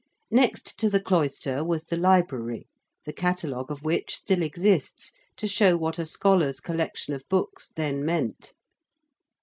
Next to the cloister was the library, the catalogue of which still exists to show what a scholar's collection of books then meant.